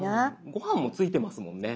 ごはんもついてますもんね。